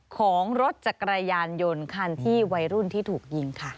ของรถจักรยานยนต์คันที่วัยรุ่นที่ถูกยิงค่ะ